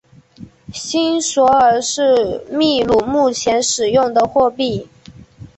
新索尔是秘鲁目前使用的货币。